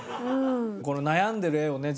この悩んでる画をね